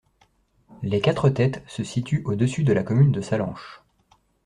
Les Quatre Têtes se situent au-dessus de la commune de Sallanches.